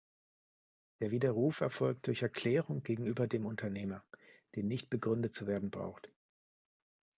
Der Widerruf erfolgt durch Erklärung gegenüber dem Unternehmer, die nicht begründet zu werden braucht.